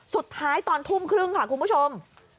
สุดท้ายตอนทุ่มครึ่งค่ะคุณผู้ชม